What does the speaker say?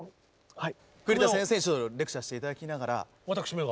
はい。